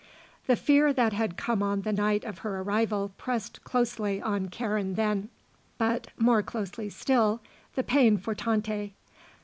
The fear that had come on the night of her arrival pressed closely on Karen then, but, more closely still, the pain for Tante.